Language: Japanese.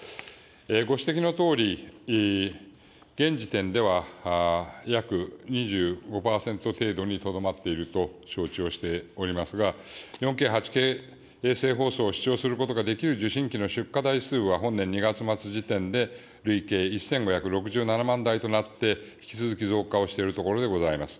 ご指摘のとおり、現時点では約２５％程度にとどまっていると承知をしておりますが、４Ｋ８Ｋ衛星放送を視聴することができる受信機の出荷台数は、本年２月末時点で累計１５６７万台となって、引き続き増加をしているところでございます。